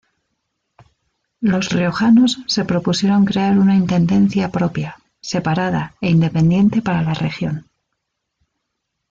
Los riojanos se propusieron crear una intendencia propia, separada e independiente para la región.